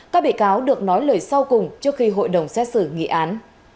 các bị cáo được nói lời sau cùng trước khi hội đồng xét xử nghị án